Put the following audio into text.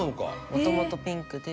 もともとピンクで。